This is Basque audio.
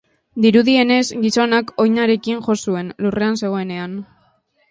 Dirudienez, gizonak oinarekin jo zuen, lurrean zegoenean.